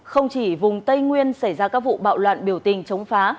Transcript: không chỉ vùng tây nguyên xảy ra các vụ bạo loạn biểu tình chống phá